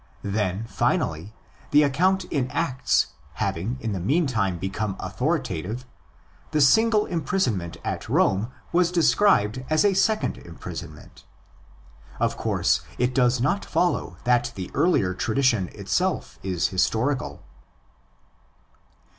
Then, finally, the account in Acts having in the meantime become authoritative, the single imprisonment at Rome was described as a second imprisonment. Of course, it does not follow that the earlier tradition itself is historical.